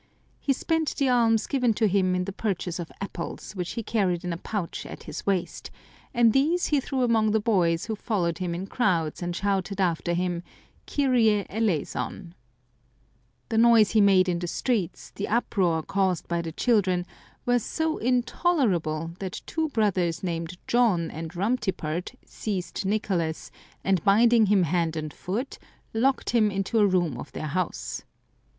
He spent the alms given to him in the purchase of apples, which he carried in a pouch at his waist, and these he threw among the boys who followed him in crowds and shouted after him, " Kyrie eleison !" The noise he made in the streets, the uproar caused by the children, were so intolerable that two brothers named John and Rumtipert seized Nicolas, and binding him hand and foot, locked him into a room of their house.